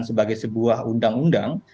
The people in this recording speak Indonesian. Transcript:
sebagai sebuah undang undang